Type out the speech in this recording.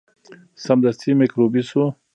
سمدستي میکروبي شو.